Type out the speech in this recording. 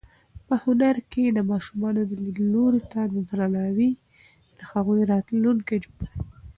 په هنر کې د ماشومانو لیدلوري ته درناوی د هغوی راتلونکی جوړوي.